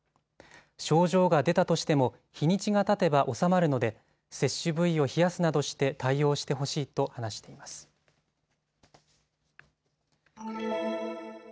症状が出たとしても日にちがたてばおさまるので接種部位を冷やすなどして対応してほしいと話しています。